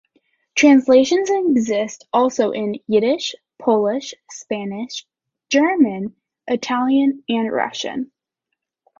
Translations exist also in Yiddish, Polish, Spanish, German, Italian and Russian.